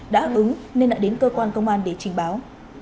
đã hứng nên đã đến cơ quan công an để trình báo